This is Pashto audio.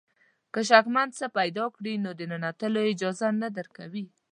که شکمن څه پیدا کړي نو د ننوتلو اجازه نه درکوي.